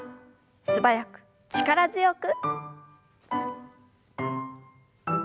素早く力強く。